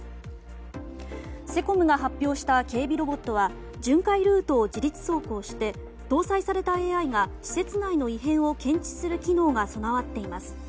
セコムが発表した警備ロボットは巡回ルートを自律走行して搭載されたＡＩが施設内の異変を検知する機能が備わっています。